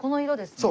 そう。